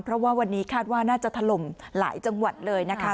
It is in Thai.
เพราะว่าวันนี้คาดว่าน่าจะถล่มหลายจังหวัดเลยนะคะ